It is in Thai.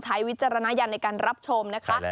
วิจารณญาณในการรับชมนะคะ